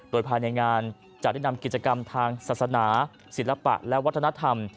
โดยภายในงานจะได้นำกิจกรรมทางศาสนาศิลปะและวัฒนธรรม